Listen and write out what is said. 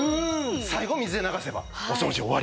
最後水で流せばお掃除終わりです。